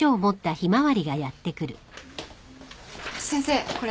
先生これ。